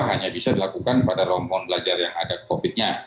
hanya bisa dilakukan pada romon belajar yang ada covid nya